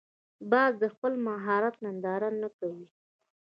باز د خپل مهارت ننداره نه کوي